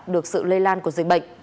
được sự lây lan của dịch bệnh